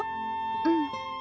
うん。